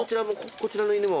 こちらの犬も？